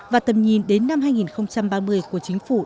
và tầm nhìn đến năm hai nghìn ba mươi của chính phủ